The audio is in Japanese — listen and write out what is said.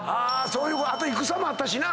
あと戦もあったしな。